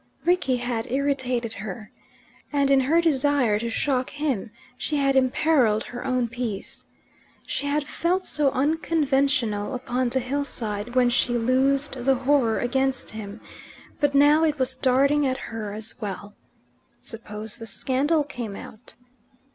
Rickie had irritated her, and, in her desire to shock him, she had imperilled her own peace. She had felt so unconventional upon the hillside, when she loosed the horror against him; but now it was darting at her as well. Suppose the scandal came out.